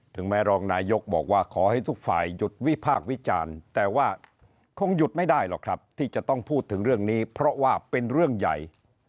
แม้รองนายกบอกว่าขอให้ทุกฝ่ายหยุดวิพากษ์วิจารณ์แต่ว่าคงหยุดไม่ได้หรอกครับที่จะต้องพูดถึงเรื่องนี้เพราะว่าเป็นเรื่องใหญ่